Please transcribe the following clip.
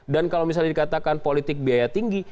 dan kalau misalnya dikatakan politik biaya tinggi